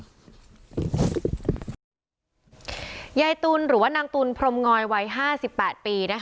ในวันที่ตอนนี้ยายตุ๋นหรือว่านางตุ๋นพรหมอยวัยห้าสิบแปดปี